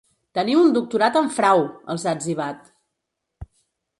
Teniu un doctorat en frau!, els ha etzibat.